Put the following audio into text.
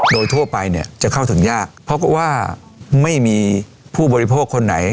โดยทั่วไปเนี่ยจะเข้าถึงยากเพราะว่าไม่มีผู้บริโภคคนไหน